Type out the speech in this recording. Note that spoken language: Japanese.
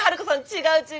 違う違う。